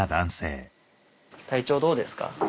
体調どうですか？